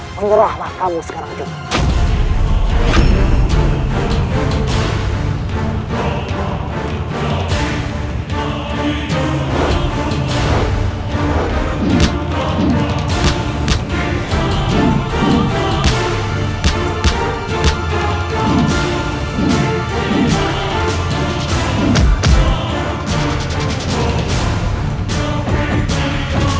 menyerahlah kamu sekarang john